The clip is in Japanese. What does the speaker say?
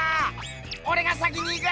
おれが先に行く！